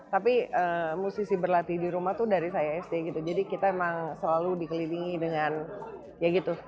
tapi musisi berlatih di rumah tuh dari saya sd jadi kita memang selalu dikelilingi dengan musik musik di sekitar